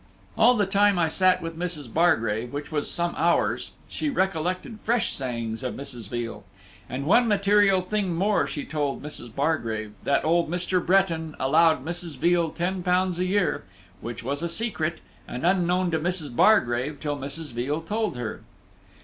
All the time I sat with Mrs. Bargrave, which was some hours, she recollected fresh sayings of Mrs. Veal. And one material thing more she told Mrs. Bargrave, that old Mr. Bretton allowed Mrs. Veal ten pounds a year, which was a secret, and unknown to Mrs. Bargrave till Mrs. Veal told her.